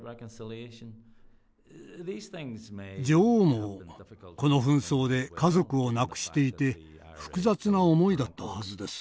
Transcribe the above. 女王もこの紛争で家族を亡くしていて複雑な思いだったはずです。